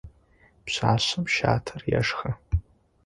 Пшъашъэм щатэр ешхы.